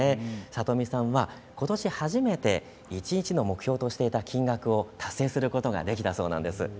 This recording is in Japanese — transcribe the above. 里見さんはことし初めて一日の目標としていた金額を達成することができたそうなんです。